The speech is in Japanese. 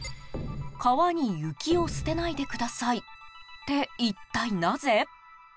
「川に雪を捨てないでください」って、一体なぜ？